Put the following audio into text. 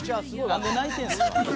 なんで泣いてるんですか？